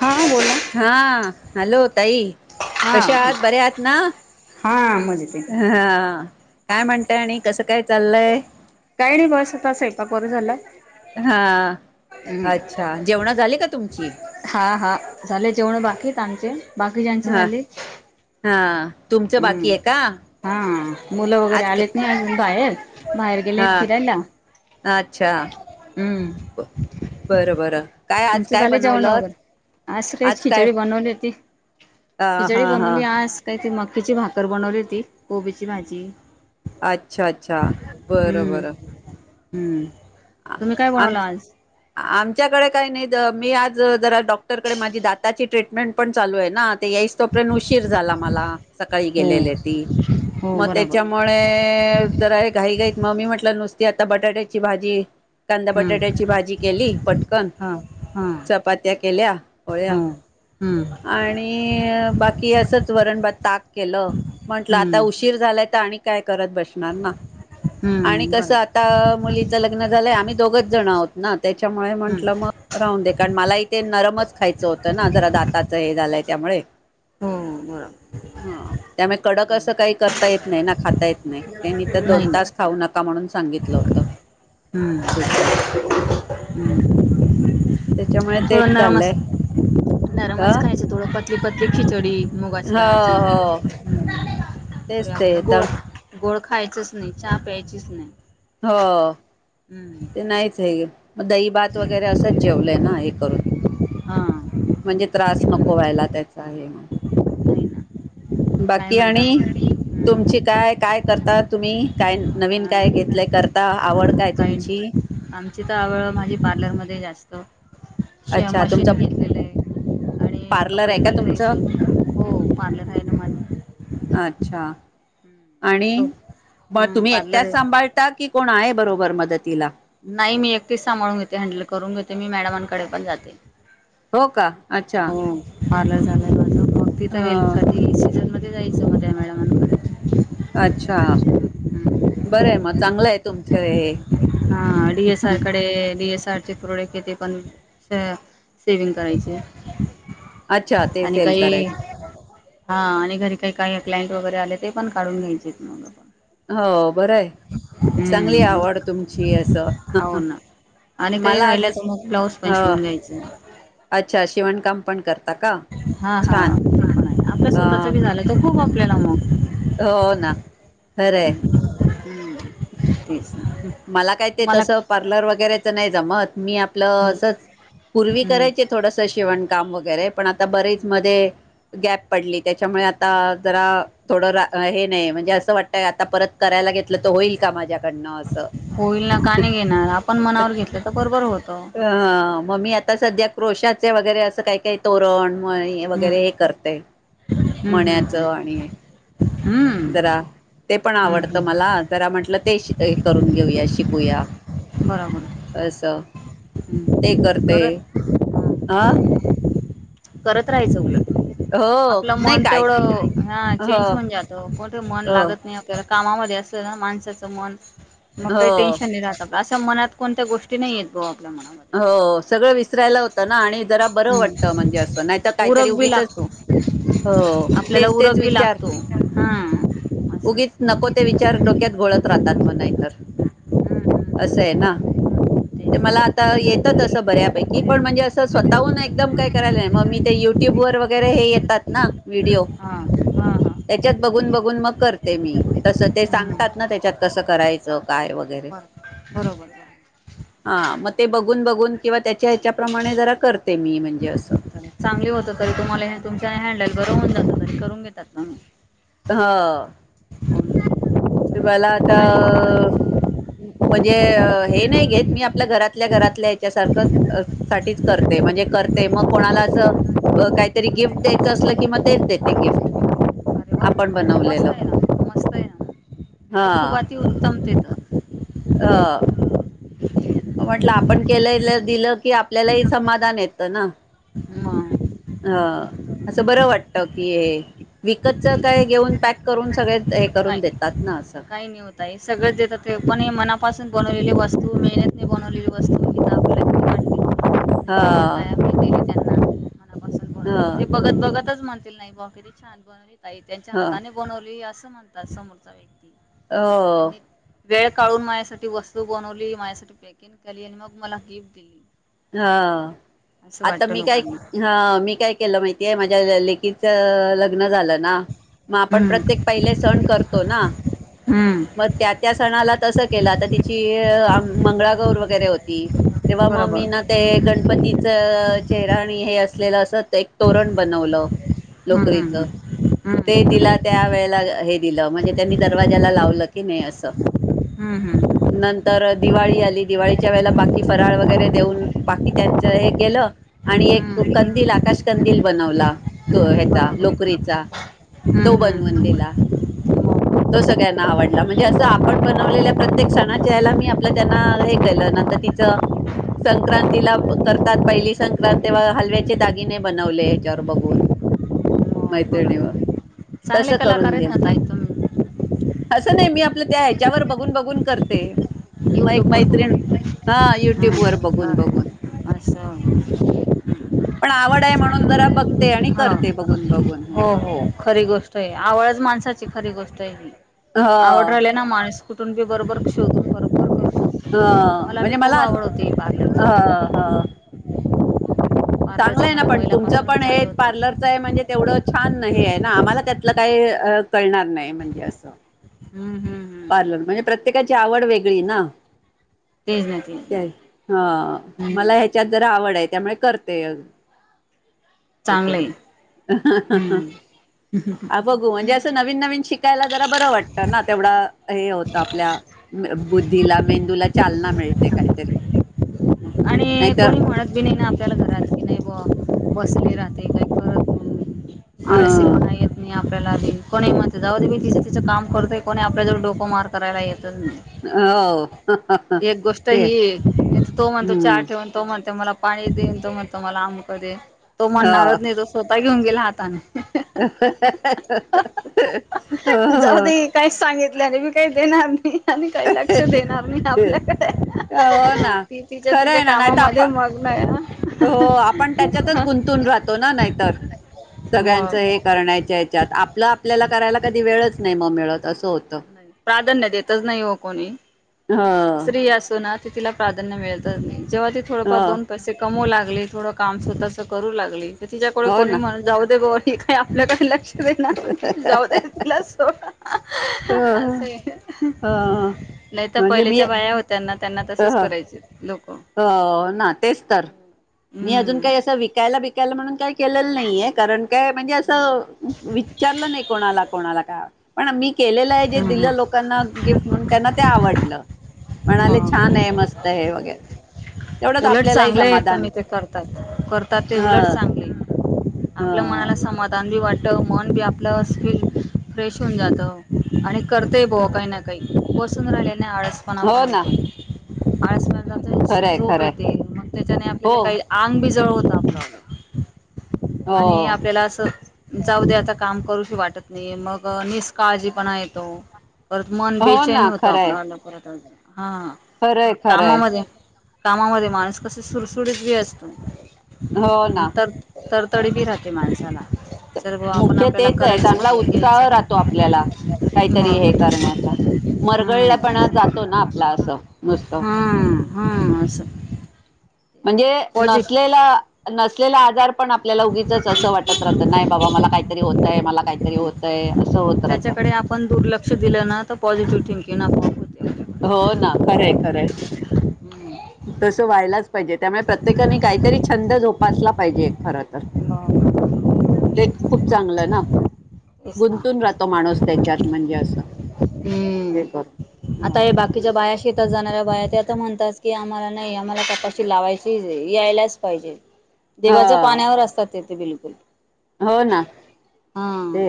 हा, बोला. हा, हॅलो ताई. हा कशा आहात? बऱ्या आहात ना. हा मजेत आहे हा. काय म्हणताय आणि कसं, काय, चाललय? काही नाही. बस, आता स्वयंपाक वगैरे झाला. हा. हम्म. अच्छा. जेवणा झाली का तुमची? हां हा. झाले जेवणं. बाकीयत आमचे. बाकी ज्यांचे हा झाले. हा. तुमचं बाकी हम्, आहे का हा. मुलं वगैरे आज क आलेत ना, अजून बाहेर. बाहेर गेलेत, हा फिरायला. अच्छा हम्म. ब- बरं, बरं. काय आज तुमच काय झाले जेवण वगैर. बनवलंत असं सकाळीच आज काय खिचडी बनवली होती. हा खिचडी हा हा बनवली आज. काय त मकीची भाकर बनवली होती. कोबीची भाजी. अच्छा अच्छा बरं हम्म. हम्म. आ तुम्ही काय बनवलं आमच- आज आमच्याकडे काही नाही. द मी आज जरा डॉक्टरकडे माझी दाताची ट्रीटमेंट पण चालूयना. ते याई तोपर्यंत उशीर झाला मला. सकाळी हो गेलेली ती. हो मग बराबर त्याच्या मुळे, जरा घाई- घाईत मग मी म्हटलं. नुसती आता बटाट्याची भाजी कांदा- हम्म बटाट्याची भाजी केली, पटकन. हा हा चपात्या केल्या. हो पोळ्या हम्म. आणि बाकी असच. वरण- भात, ताक केलं. म्हंटलं, आता हम्म उशीर झालाय. तर आणि काय करत बसणार ना. आणि हम्म कसं बरोबर आता मुलीच लग्न झालंय. आम्ही दोघच जण आहोत. ना. त्याच्यामुळे हम्म म्हटलं, मग राहून दे. कारण मला ते, नरमच खायचं होतं ना. जरा दात त्याच हे झालंय, त्यामुळे. हं, बरोबर. हा, त्यामुळे कडक असं, काही करता येत नाही ना. खाता येत नाही. त्यां मी तर नाही दोन तास खाऊ नका म्हणून सांगितलं होतं. हम्म, हे करून हम्. त्याच्यामुळे तेच थोडं नरमस् चाललंय ह नरमच हो खायच थोडं. पतली- पतली खिचडी. मुगाची डाळची. हो हं. पुढ तेच ते आपला तर गोड, गोड खायचच नाही. चहा प्यायचीच नाही. हो. ते हम्म नाहीचय. मग दही- भात वगैरे असंच. जेवलंय ना हे करून. हा. म्हणजे त्रास नको नाही व्हायला. त्याचा हे म्हण ना काय बाकी आणि? म्हणतात तुमची हम्म काय? बाकी काय करता तुम्ही? काय नवीन हा काय घेतलंय? करता? आवड काय काही तुमची? आमची तर आवळ माझी पार्लरमध्ये, जास्त. अच्छा तुमचं मशीन घेतलेलय. आणि पार्लर कपडे आहे का रोज तुमचं शिवते. हो, पार्लर हाय ना. माझं. अच्छा. आणि? छोट म हं तुम्ही पार्लर एकट्याच आहे सांभाळ ता की कोण आहे? बरोबर मदतीला. नाही मी, एकटीच सांभाळून घेते. हँडल करून घेते मी. मॅडमांकडे पण जाते. हो का अच्छा हं. पार्लर झालाय माझं. मग तिथं ह हेल्पसाठी सीझनमध्ये जायचं, मग त्या मॅडमांकडे. अच्छा. बरंय मग. चांगलंय. तुमच हे. हा डी एस आर कडे, डीएस आर चे प्रोडक्ट आहे ते पण सेविंग करायचे अच्छा ते आणि सेल काही करायच हा आणि घरी काही काही क्लायंट वगैरे आले ते पण काढून घ्यायचे आहेत मग पण हो बरं आहे चांगली हम्म आवड तुमची असं हो ना आणि काही मला राहिलं असं तर मग ब्लाऊज पण ह शिवून घ्यायचं अच्छा शिवणकाम पण करता का हा हा छान नाही आपल्या अ स्वतःच भी झालंय तर खूप आपल्याला मग हो ना खरं आहे हम्म हम्म तेच ना मला काय ते तुम्हाला तसं पार्लर वरेच नाही जम मी आपलं हम्म अस पूर् कराय हम्म थोडस शिवणकाम वगैरे पण आता बरीेच मध्ये गॅप पडली त्याच्यामुळे आता जरा थोडं रा हे नाही म्हणजे असं वाटत आता परत करायला घेतलं तर होईल का माझ्याकडनं असं होईल ना का नाही घेणार आपण मनावर घेतलं तर बरोबर होतं अ मग ममी आता सध्या क्रोशाचे वगैरे असं काय काही तोरण म हम्म वगैरे हे करते हम्म हम्म मण्याचं आणि हम्म जरा ते पण हम्म आवडतं हम्म मला जरा म्हटलं ते करून घेऊया शिकूया बराबर अस ते करतेय करत हा हा करत राहायचं उलट हो आपलं नाही मन काय तेवढं हा हो चेंज होऊन जात मोठे मन हो लागत नाही तर कामामध्ये असलं ना माणसाचं मन मग काही हो टेन्शन नाही राहत अशा मनात कोणत्या गोष्टी नाही आहेतेत भाऊ आपल्या मना हो सगळं विसरायला होतं ना आणि जरा बरं वाटतं हम्म म्हणजे अस नाही तर काहीतरी उरक बी उगीचच लागतो हो आपल्याला तेच तेच उरक बी विचार लागतो हा असं उगीच नको तेच ते ना. विचार डोक्यात घोळत राहतात म नाही तरर असं आहे ना ते मला आता येतात असं बऱ्यापैकी पण म्हणजे असं स्वतःहून एकदम काय करायलाय मग मी ते युट्युब वर वगैरे हे येतात ना व्हिडिओ हा हा त्याच्यात बघून हा बघून मग करते मी तसं ते हम्म सांगतात ना त्याच्यात कसं करायचं काय वगैरे बर बरोबर [inaudible] हा मग ते बघून बरोबर बघून किंवा त्याच्याह्यच्याप्रमाणे जरा करते मी म्हणजे असं चांगली होत तरी तुम्हाला हे तुमच्या हँडल कर होन जातं त करून घेतात नाम्ही हा तुम्हाला आता आणि म्हणजे हे अरे नाही घेत मी आपल्या घरातल्या घरातल्या याच्या सारखं साठीच करते म्हणजे करते मग कोणाला असं काहीतरी गिफ्ट द्यायचं असलं किंवा तेच देते गिफ्ट वा आपण मस्त बनवलेलं आहे ना मस्त आहे ना ते हा खूप अत उत्तम तेेत ह म्हटलं आपण केलं दिलं की आपल्यालाही समाधान येतं ना मग अ असं बरं वाटत की हे विकतच काय घेऊन पॅक करून सगळे हे करून देतात ना असं का हो सगळेतात पण मनापासून बनवलेली वस्तू मेहत [unintelligible] बनवलेलं [unintelligible] हा... मनापासून हा... बनवली ते बघत बघतच म्हणतील नाही बारी छान बनव आहे त्यांच्या ह हाताने... बनवली असं म्हणतात समोरचा व्यक्ती... हो वेळ काढून माझ्यासाठी वस्तू बनवली माझ्यासाठी पॅकिंग केली आणि मग मला गिफ्ट दिली... हा असं आता वाटतं मी काय, लोकांना ह मी काय... केल माहितीय माझ्या लेकीच लग्न... लग्न झालं ना म आपण हम्म प्रत्येक पहिले सण करतो ना... हम्म मग त्या त्या सणाला तसं केलं तर तिची मंगळागौर वगैरे होती.... तेव्हा म मी बरोबर ना... ते गणपतीचं चेहरा आणि हे असलेलं असंच एक तोरण बनवलं... हम्म लोकरीच. हम्म हम्म ते हम्म तिला... त्या वेळेला हे दिलं म्हणजे त्यांनी दरवाज्याला लावलं की ने असं... हम नंतर दिवाळी आली दिवाळीच्या वेळेला बाकी बरोबर फराळ वगैरे देऊन..... बाकी त्यांच हे केलं.... आणि एक कंदील, आकाश कंदील बनवला तो ह्याचा लोकरीचा.... हम्म, तो हम्म, बनवून हम्म. दिला..... हो. हो, बघा. तो सगळ्यांना आवडला, म्हणजे असं आपण बनवलेल्या प्रत्येक सणाच्या हेला मी आपलं त्यांना हे केलं नंतर ती.... संक्रांत.... तिला करतात, पहिली संक्रांत हलव्याचे दागिने बनवले ह्याच्यावर बघून.... मैत्रिणीवर चांगले तसं कलाकार करून आहेत देल.... ना ताई तुम्ही असं नाही मी आपलं त्या ह्याच्यावर बघून बघून करते...... म एक यूट्यूबवर मैत्रिण हा बघून युट्यूब वर हां बघून हां बघून..... असं [unintelligible] पण आवड आहे म्हणून जरा बघ.... ते आणि हां करते बघून बघून हे हो करून.... हो खरी गोष्ट आहे. आवडच माणसाची खरी गोष्ट आहे ही ह आवड राहिली ना माणस.... कुठून बी बरोबर शोधून ह बरोबर [inaudible] मला बी खूप आवड होते हा बाग.... हा.... चांगलं पार्लरचं आहे ना माझं पण तुमचं पण पहिल्यापासूनच हे चालू होतं पार्लरचं आहे म्हणजे तेवढं छान हे आहे ना आम्हाला त्यातलं काही अं... कळणार नाही म्हणजे असं.... हम्म हम हम.. पार्लर म्हणजे प्रत्येकाची आवड वेगळी ना... तेच ना तेच ते ना आहेच. हा मला हम्म, ह्याच्यात जरा आवड आहे त्यामुळे करते...... ह चांगलं आहे ह हम्म. आप.... बघू म्हणजे असं नवीन नवीन शिकायला जरा बरं वाटतं ना तेवढा..... हे होतं आपल्या बुद्धीला, मेंदूला चालना मिळते काहीतरी..... आणि नाहीतर कोणी म्हणत बी नाही ना आपल्याला घरात.... की नाही बुवा बसले राहते काही परत अ आळसेपणा येत.... नाही आपल्याला आधी कोणी म्हणते जाऊ मी तिच तिचं काम करू दे कोणी आपल्या जवळ डोको मार करायला येतच नाही...... हो ह ह एक गोष्ट ते हम् पण तो म्हणते मला पाणी दे, तो म्हणतो मला आमुक दे. तो हो म्हणणारच नाही तस.... स्वतः घेऊन गेला हातानं.... हो जाऊ हो.. दे काहीच सांगितलं नाही, मी काही देणार नाही..... आणि काही लक्ष देणार नाही आपल्याकडे हो ना [unintelligible] खरं आहे ना नाहीतर कामामध्ये मग्न आहे ना, आपण हो आपण त्याच्यातच गुंतून राहतो ना नाही तर..... सगळ्यांचं मग हे करण्याच्या याच्यात आपलं आपल्याला करायला कधी वेळच नाही म मिळत असं होतं..... प्राधान्य देतच नाही हो कोणी.... ह स्त्री असो ना ती तिला प्राधान्य मिळतच नाही, जेव्हा ती ह थोडफार दोन.... पैसे कमवू लागले थोडं काम स्वतःच करू लागली तर तिच्याकडे हो कोणी ना म्हण जाऊ दे बुवा ही हे आपल्याकड लक्ष देणार नाही जाऊ दे तिला सोडा अ, असंय अ, नाही तर म्हणजे मी पहिलेच्या अ, बाया होत्याना त्यांना तसंच करायचे लोक. हो ना तेच तर मी अजून हम्म काही असं विकायला-बिकायला म्हणून काही केलेलं नाहीये कारण, काय म्हणजे हम्म असं विचारलं नाही कोणाला-कोणाला काय पण मी केलेलं आहे जे हम्म दिलं हम्म. लोक लोकांना गिफ्ट म्हणून त्यांना ते आवडलं म्हणाले मग छान आहे मस्त हे वगैरे. तेवढंच उलट आपल्यालाही चांगलं आहे समाधान तुम्ही ते करतात. करतात ते ह उलट चांगले आहे. ह आपल्या मनाला समाधान बी वाटत मन बी आपलं असकी फ्रेश होऊन जात आणि करतय बो काही ना काही बसून राहिल्याने आळस पण आपण हो ना येतो आळस न जाता खरंय झोप खरंय येते मग त्याच्याने हो आपल्याला काही आंग बी जड होत आपल्या. हो आणि आपल्याला असं जाऊ दया आता काम करूशी वाटत नाही मग निष्काळजीपणा येतो. परत मन हो बेचैन ना होतो खरंय आपल्यावालं परत हां खरंय खरंय कामामध्ये कामामध्ये माणूस कस सुडसुडीत बी असतो हो आणि ना तर तर तडबी राहते माणसाला. सर्व आपण मुख्य आपल्याला तेच आहे करायचं चांगला हे उत्साह घ्यायचं राहतो आपल्याला. काहीतरी हे मग करण्याचा मरगळला पण हां असं जातो ना आपला असं नुसतं हां हां असं म्हणजे पॉझि नसलेला नसलेला आजार पण आपल्याला उगीचच असं वाटत राहतं नाही बाबा मला काहीतरी होतय, मला काहीतरी होतय, असं होत राहतं. त्याच्याकडे आपण दुर्लक्ष दिलं ना तर पॉझिटिव्ह थिंकिंग आपोआप होते आपल्याकडे हो ना खरय खरंय. हम्म. तसं व्हायलाच पाहिजे, त्यामुळे प्रत्येकाने काहीतरी छंद जोपासला पाहिजे खर तर. हां तेच खूप चांगलं ना, तेच ना गुंतून राहतो माणूस त्याच्यात म्हणजे असं. हे हम्म, आता हे करून बाकीच्या बाया शेतात जाणाऱ्या बाया, त्या तर म्हणतात की आम्हाला नाही आम्हाला कपाशी लावायचीच आहे यायलाच पाहिजे. ह [inaudible] देवाच्या पाण्यावर असतात ते ते बिलकुल हो ना ते हां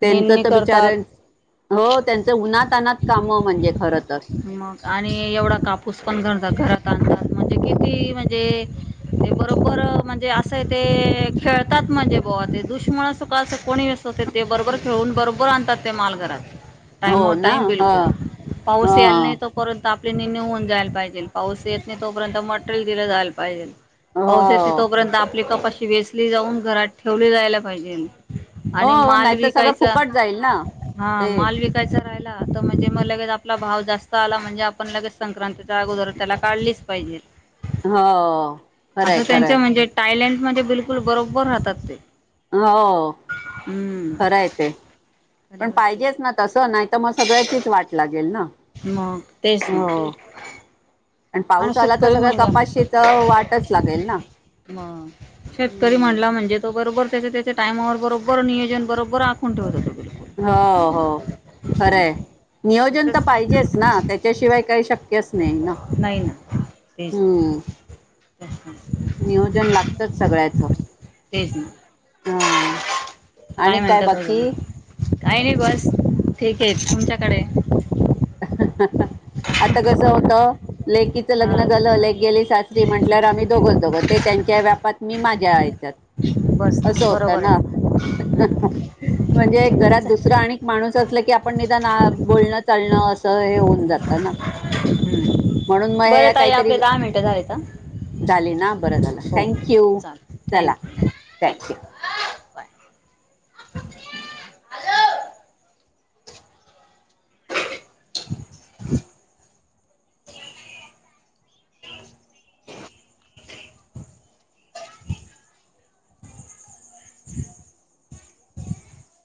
त्यांचं निंदणी तर बिचार करतात हो त्यांचं उन्हातानात काम म्हणजे खर तर मग आणि एवढा कापूस पण समजा घरात आणला म्हणजे किती म्हणजे ते बरोबर म्हणजे असं आहे ते खेळतात म्हणजे बुवा ते दुश्मन असो का असं कोणी असो ते ते बरोबर खेळून बरोबर आणतात ते माल घरात. टाइमो हो ना टाइम ह बिलकुल पाऊस यायल ह नाही तो तो पर्यंत आपल्या निंदनि होऊन जायला पाहिजे. पाऊस येत नाही तोपर्यंत मटेरियल दिल जायला पाहिजे. पाऊस येत नाही हो तोपर्यंत आपली कपाशी वेचली जाऊन घरात ठेवली जायला पाहिजेल आणि हो माल नाहीतर सगळं विकायचा फुकट जाईल ना हां ते माल विकयचा विकायचा राहिला तर म्हणजे मग लगेच आपला भाव जास्त आला म्हणजे आपण लगेच संक्रांतीच्या अगोदर त्याला काढलीच पाहिजे. हो खरंय आता खरंय त्यांच्या म्हणजे टायलंड मध्ये बिलकुल बरोबर राहतात. हो हम्म खरं आहे ते खरी पण गोष्ट पाहिजेच आहे ना तसं नाही तर मग सगळ्याचीच वाट लागेल ना म तेचना म हो आणि पाऊस आला तर सगळं म्हणजे कपाशीचं वाटच लागेल ना. मग शेतकरी हम्म म्हणला म्हणजे तो बरोबर त्याच्या त्याच्या टायमावर बरोबर नियोजन बरोबर आखून ठेवतो तो हो हो खरंय नियोजन तर तसंच पाहिजेच ना. त्याच्याशिवाय काही शक्यच नाही ना नाहीना तेच हम्म नियोजन लागतच सगळ्याच तेच ह आणि काय म्हणतात बाकी अजुन काही नाही बस--ठीक आहे, तुमच्याकडे आता कस होत लेकीच लग्न हा झालं लेक गेली सासरी म्हटल्या आम्ही दोघच दोघं ते त्यांच्या व्यापात मी माझ्या याच्यात बस ना असं होत बरोबर आहे ना हम्म म्हणजे एक चालेल घरात दुसरं चालेल आणिक माणूस असल की आपण निदान आ बोलणं चाल म असं हे होऊन जात ना म्हणून मग बघा हे ताई काहीतरी आपले दहा मिनिटं झाले का झाले ना बरं झालं थँक यू [unintelligible] चाल चला थँक्यू चाल थँक्यू [unintelligible] [unintelligible] [unintelligible]